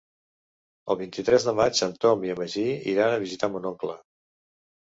El vint-i-tres de maig en Tom i en Magí iran a visitar mon oncle.